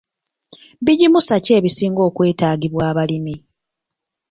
Bigimusa ki ebisinga okwetaagibwa abalimi?